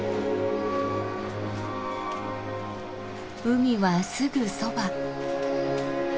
海はすぐそば。